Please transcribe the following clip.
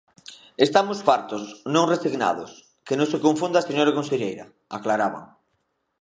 "Estamos fartos, non resignados, que non se confunda a señora conselleira", aclaraban.